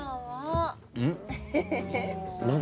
うん？